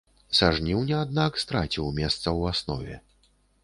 Са жніўня, аднак, страціў месца ў аснове.